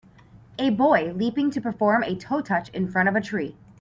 A boy leaping to perform a toetouch in front of a tree.